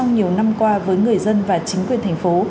nhiều năm qua với người dân và chính quyền thành phố